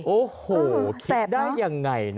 โอ้โฮคิดได้อย่างไร